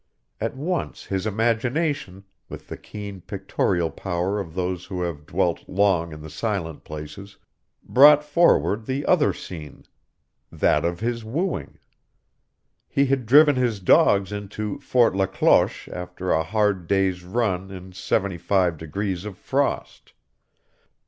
At once his imagination, with the keen pictorial power of those who have dwelt long in the Silent Places, brought forward the other scene that of his wooing. He had driven his dogs into Fort la Cloche after a hard day's run in seventy five degrees of frost.